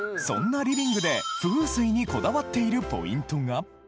そんなリビングで、風水にこだわっているポイントが。